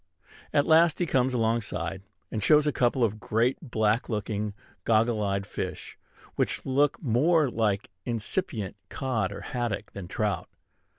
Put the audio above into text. At last he comes alongside, and shows a couple of great black looking, goggle eyed fish, which look more like incipient cod or haddock than trout.